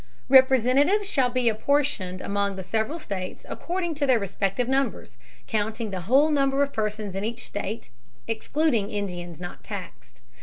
Representatives shall be apportioned among the several States according to their respective numbers, counting the whole number of persons in each State, excluding Indians not taxed.